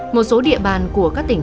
một số địa bàn của các tỉnh